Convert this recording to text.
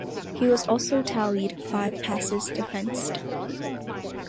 He also tallied five passes defensed.